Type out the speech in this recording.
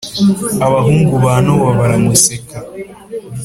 abahungu ba nowa baramuseka